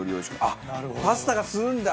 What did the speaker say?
あっパスタが吸うんだ